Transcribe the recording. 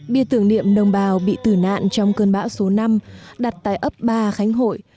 bia tưởng niệm đồng bào bị tử nạn trong cơn bão số năm đặt tại ấp ba khánh hội